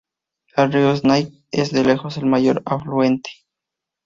El río Snake es, de lejos, el mayor afluente.